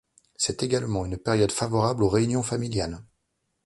C'est également une période favorable aux réunions familiales.